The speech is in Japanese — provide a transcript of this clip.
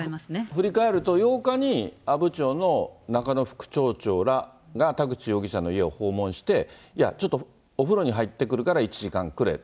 振り替えると、８日に阿武町の中野副町長らが田口容疑者の訪問して、いや、ちょっとお風呂に入ってくるから１時間くれ。